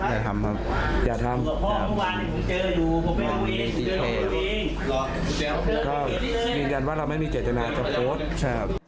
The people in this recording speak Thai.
ก็ยืนยันว่าเราไม่มีเจ็ดจำนานกับโฟสต์